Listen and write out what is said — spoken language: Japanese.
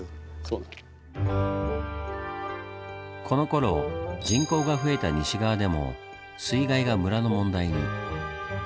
このころ人口が増えた西側でも水害が村の問題に。